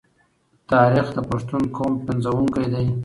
تاریخ د پښتون قام پنځونکی دی.